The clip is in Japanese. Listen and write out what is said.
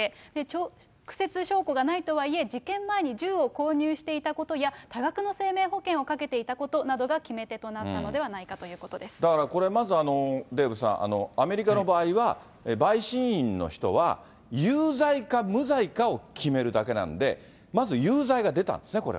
直接証拠がないとはいえ、事件前に銃を購入していたことや、多額の生命保険をかけていたことなどが決め手となったのではないだからこれ、まずデーブさん、アメリカの場合は、陪審員の人は、有罪か無罪かを決めるだけなんで、そうですね。